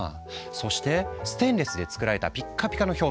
そしてステンレスで作られたピッカピカの表面。